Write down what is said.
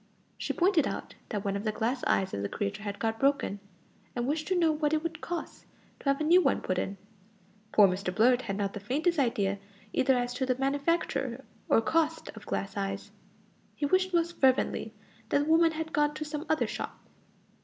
She pointed out that one of the glass eyes of the creature had got broken, and wished to know what it would cost to have a new one put in. Poor Mr Blurt had not the faintest idea either as to the manufacture or cost of glass eyes. He wished most fervently that the woman had gone to some other shop.